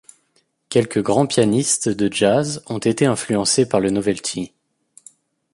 Quelques grands pianistes de jazz ont été influencés par le novelty.